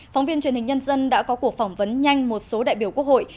phóng viên truyền hình nhân dân đã có cuộc phỏng vấn nhanh một số đại biểu quốc hội